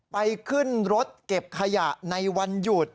ไปขึ้นรถเก็บขยะในวันหยุด